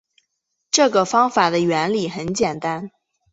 这个方法的原理很简单